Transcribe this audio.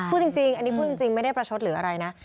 พูดจริงอันนี้พูดจริงไม่ได้ประชดหรืออะไรนะ